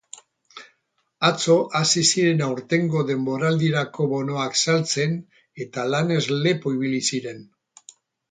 Atzo hasi ziren aurtengo denboraldirako bonoak saltzen eta lanez lepo ibili ziren.